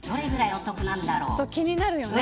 気になるよね。